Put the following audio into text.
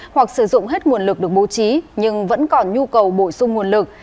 hoặc sử dụng hết nguồn lực được bố trí nhưng vẫn còn nhu cầu bổ sung nguồn lực